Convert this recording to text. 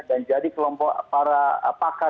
dan jadi kelompok para pakar